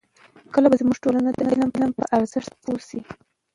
کله به زموږ ټولنه د علم په ارزښت پوه شي؟